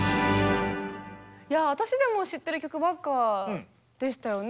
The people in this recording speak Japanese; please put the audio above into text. いや私でも知ってる曲ばっかでしたよね。